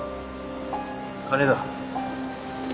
金だ。